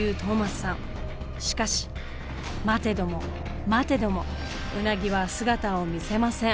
しかし待てども待てどもウナギは姿を見せません。